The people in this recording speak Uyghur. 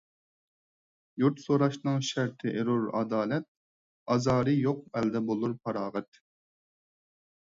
يۇرت سوراشنىڭ شەرتى ئېرۇر ئادالەت، ئازارى يوق ئەلدە بولۇر پاراغەت.